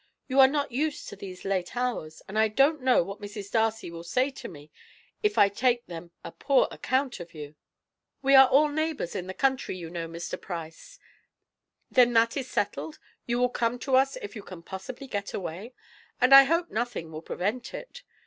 You are not used to these late hours, and I don't know what Mrs. Darcy will say to me if I take them a poor account of you. We are all neighbours in the country, you know, Mr. Price. Then that is settled? You will come to us if you can possibly get away, and I hope nothing will prevent it.